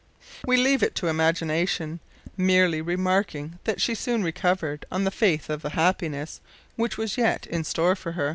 We leave it to imagination, merely remarking that she soon recovered on the faith of the happiness which was yet in store for her.